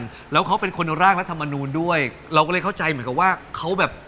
แล้วเขาเป็นคนร่างรัฐมนูลด้วยเราก็เลยเข้าใจเหมือนกับว่าเขาแบบ